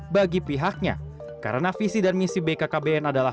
bagi pihaknya karena visi dan misi bkkbn adalah